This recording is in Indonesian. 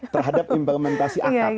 terhadap implementasi akad